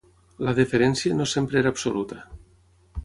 La "deferència" no sempre era absoluta.